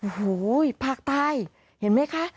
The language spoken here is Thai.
โอ้โหภาคใต้เห็นไหมคะ